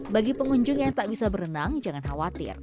bagi pengunjung yang tak bisa berenang jangan khawatir